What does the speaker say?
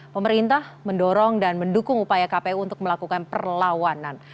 pemerintah mendorong dan mendukung upaya kpu untuk melakukan perlawanan